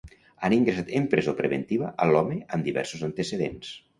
Han ingressat en presó preventiva a l'home amb diversos antecedents.